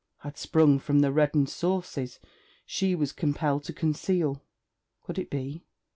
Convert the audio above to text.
had sprung from the reddened sources she was compelled to conceal? Could it be?